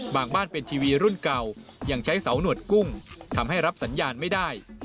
บ้านเป็นทีวีรุ่นเก่ายังใช้เสาหนวดกุ้งทำให้รับสัญญาณไม่ได้